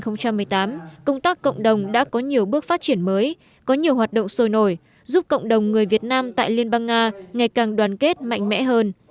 năm hai nghìn một mươi tám công tác cộng đồng đã có nhiều bước phát triển mới có nhiều hoạt động sôi nổi giúp cộng đồng người việt nam tại liên bang nga ngày càng đoàn kết mạnh mẽ hơn